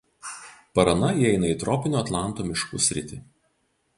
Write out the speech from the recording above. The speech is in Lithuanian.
Parana įeina į tropinių Atlanto miškų sritį.